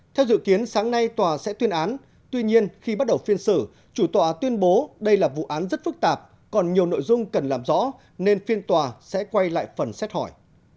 theo dự kiến sáng nay tòa sẽ tuyên án tuy nhiên khi bắt đầu phiên xử chủ tọa tuyên bố đây là vụ án rất phức tạp còn nhiều nội dung cần làm rõ nên phiên tòa sẽ quay lại phần xét hỏi